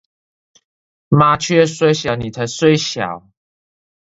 麻雀雖小，你才衰小